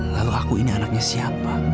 lalu aku ini anaknya siapa